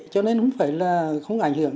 cho nên không phải là không ảnh hưởng